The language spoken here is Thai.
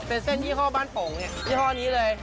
เป็นเส้นยี่ห้อบ้านโป่งเนี่ยยี่ห้อนี้เลย